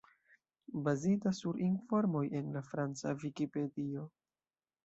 Bazita sur informoj en la franca Vikipedio.